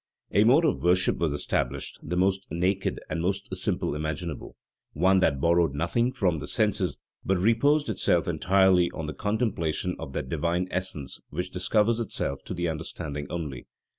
A mode of worship was established, the most naked and most simple imaginable; one that borrowed nothing from the senses, but reposed itself entirely on the contemplation of that divine essence which discovers itself to the understanding only.